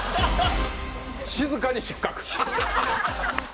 静かに失格！